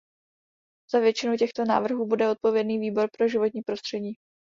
Za většinu těchto návrhů bude odpovědný Výbor pro životní prostředí.